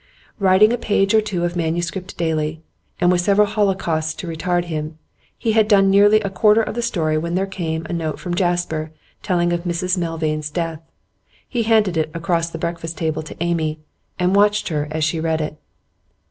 Writing a page or two of manuscript daily, and with several holocausts to retard him, he had done nearly a quarter of the story when there came a note from Jasper telling of Mrs Milvain's death. He handed it across the breakfast table to Amy, and watched her as she read it.